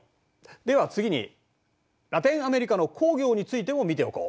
では次にラテンアメリカの工業についても見ておこう。